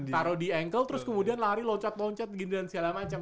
taruh di ankle terus kemudian lari loncat loncat gini dan segala macam